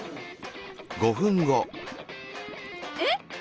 えっ？